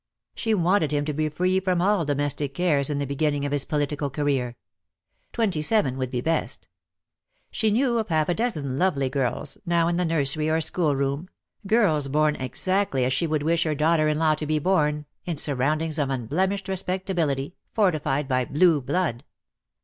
She wanted him to be free from all domestic cares in the begin ning of his political career. Twenty seven would be best. She knew of half a dozen lovely girls, now in the nursery or schoolroom, girls born exactly as she would wish her daughter in law to be bom, in surroundings of unblemished respectability, forti fied by blue blood.